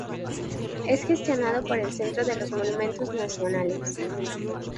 Es gestionado por el centro de los monumentos nacionales.